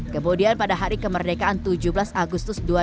kemudian pada hari kemerdekaan tujuh belas agustus dua ribu dua puluh